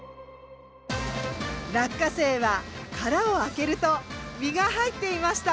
落花生は殻を開けると実が入っていました。